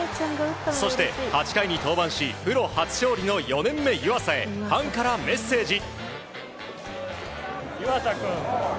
そして、８回に登板しプロ初勝利の４年目湯浅にファンからメッセージ。